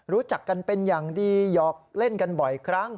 รู้จักกันเป็นอย่างดีหยอกเล่นกันบ่อยครั้ง